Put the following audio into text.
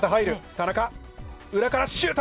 田中裏からシュート！